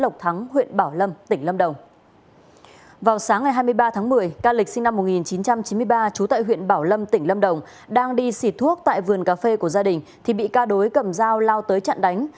khi xịt thuốc tại vườn cà phê của gia đình thì bị ca đối cầm dao lao tới chặn đánh